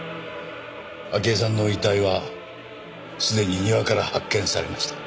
明江さんの遺体はすでに庭から発見されました。